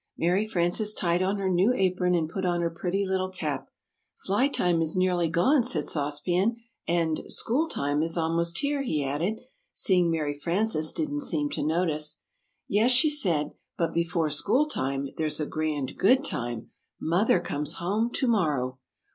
Mary Frances tied on her new apron and put on her pretty little cap. "Fly time is nearly gone," said Sauce Pan, "and school time is almost here," he added, seeing Mary Frances didn't seem to notice. [Illustration: Put on her pretty little cap.] "Yes," she said, "but before school time, there's a grand good time Mother comes home to morrow!" "Whew!"